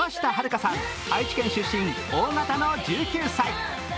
花さん、愛知県出身、Ｏ型の１９歳。